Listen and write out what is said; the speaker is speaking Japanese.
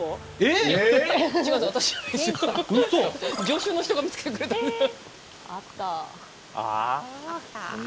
助手の人が見つけてくれたんです。